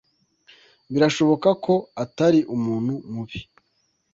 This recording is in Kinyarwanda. Birashoboka ko atari umuntu mubi